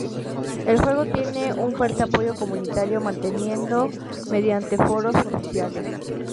El juego tiene un fuerte apoyo comunitario, mantenido mediante foros oficiales.